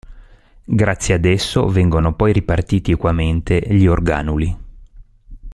Grazie ad esso vengono poi ripartiti equamente gli organuli.